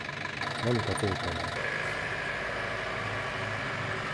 なに書こうかなー。